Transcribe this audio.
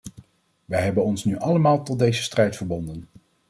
Wij hebben ons nu allemaal tot deze strijd verbonden.